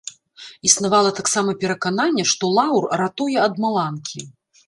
Існавала таксама перакананне, што лаўр ратуе ад маланкі.